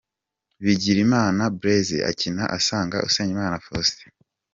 Bigirimana Blaise akina asanga Usengimana Faustin.